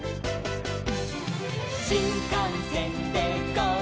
「しんかんせんでゴー！